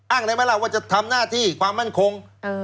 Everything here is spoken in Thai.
ได้ไหมล่ะว่าจะทำหน้าที่ความมั่นคง